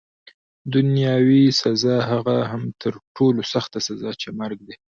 دنیاوي سزا، هغه هم تر ټولو سخته سزا چي مرګ دی.